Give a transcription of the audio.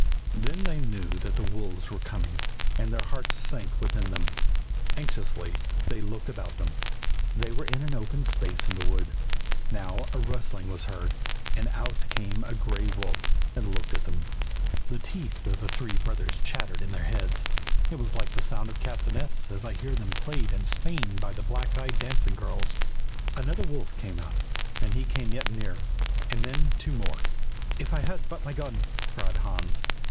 Then they knew that the wolves were coming, and their hearts sank within them. Anxiously they looked about them. They were in an open space in the wood. Now a rustling was heard, and out came a gray wolf and looked at them. The teeth of the three brothers chattered in their heads; it was like the sound of castanets, as I hear them played in Spain by the black eyed dancing girls. Another wolf came out, and he came yet nearer, and then two more. 'If I had but my gun!' cried Hans.